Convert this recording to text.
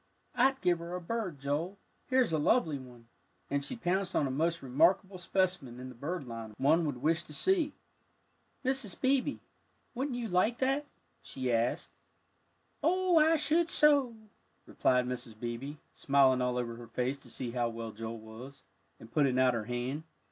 "I'd give her a bird, Joel, here's a lovely one," and she pounced on a most remarkable specimen in the bird line one would wish to see. "Mrs. Beebe, wouldn't you like that?" she asked. "Oh, I should so," replied Mrs. Beebe, smiling all over her face to see how well Joel was, and putting out her hand.